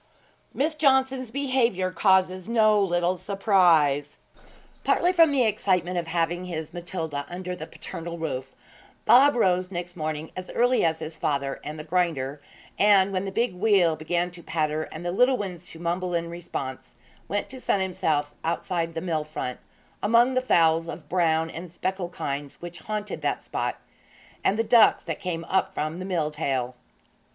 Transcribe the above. XIX. MISS JOHNSON'S BEHAVIOUR CAUSES NO LITTLE SURPRISE Partly from the excitement of having his Matilda under the paternal roof, Bob rose next morning as early as his father and the grinder, and, when the big wheel began to patter and the little ones to mumble in response, went to sun himself outside the mill front, among the fowls of brown and speckled kinds which haunted that spot, and the ducks that came up from the mill tail.